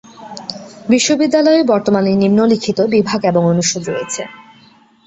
বিশ্ববিদ্যালয়ে বর্তমানে নিম্নলিখিত বিভাগ এবং অনুষদ রয়েছে।